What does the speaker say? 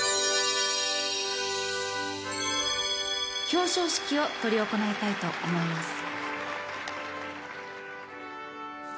表彰式を執り行いたいと思います。